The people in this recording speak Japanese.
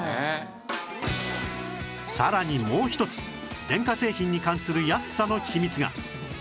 さらにもう一つ電化製品に関する安さの秘密が